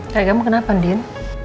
kakak kamu kenapa din